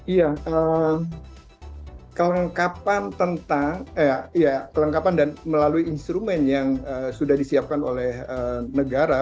iya kelengkapan tentang kelengkapan dan melalui instrumen yang sudah disiapkan oleh negara